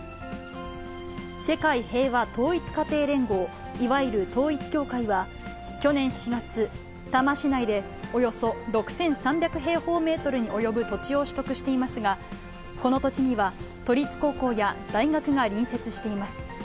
世界平和統一家庭連合、いわゆる統一教会は、去年４月、多摩市内でおよそ６３００平方メートルに及ぶ土地を取得していますが、この土地には都立高校や大学が隣接しています。